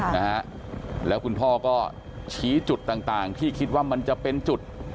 นะฮะแล้วคุณพ่อก็ชี้จุดต่างต่างที่คิดว่ามันจะเป็นจุด